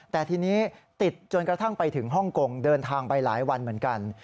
แต่ทีนี้ติดจนกระทั่งไปถึงฮ่องกงเดินทางไปหลายวันเหมือนกัน